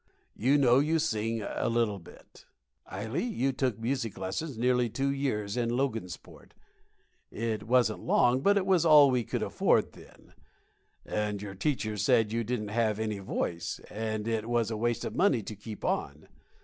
You know you sing a little bit, Ily; you took music lessons nearly two years in Logansport. It wasn't long, but it was all we could afford then. And your teacher said you didn't have any voice, and it was a waste of money to keep on.